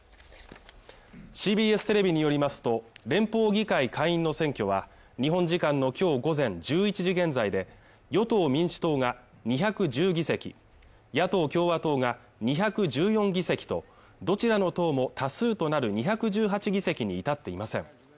ＣＢＳテレビによりますと連邦議会下院の選挙は日本時間のきょう午前１１時現在で与党・民主党が２１０議席野党・共和党が２１４議席とどちらの党も多数となる２１８議席に至っていません